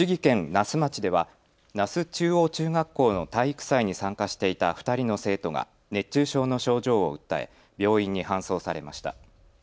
那須町では那須中央中学校の体育祭に参加していた２人の生徒が熱中症の症状を訴え病院に搬送されました。